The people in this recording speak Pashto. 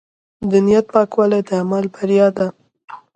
د نیت پاکوالی د عمل بریا ده.